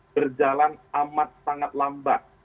berjalan amat sangat lambat